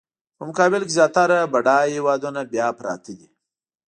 په مقابل کې زیاتره بډایه هېوادونه بیا پراته دي.